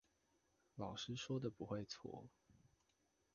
老師說的不會錯